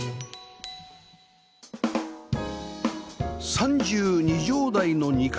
３２畳大の２階